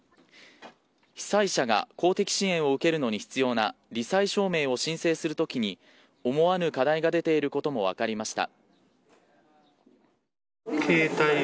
被災者が公的支援を受けるのに必要な罹災証明を申請するときに思わぬ課題が出ていることも分かりました。